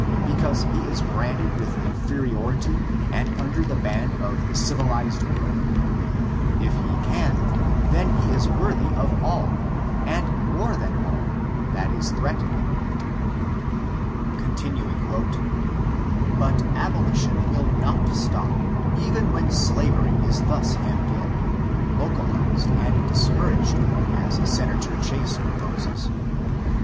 because he is branded with inferiority, and under the ban of the civilized world ? If ho can, then is he worthy of all, and more than all, that is threatened him. "'But abolition will not stop, even when slavery is thus hemmed in, * localized and discouraged,' aa senator Chase proposes.